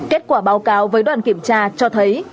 kết quả báo cáo với đoàn kiểm tra cho thấy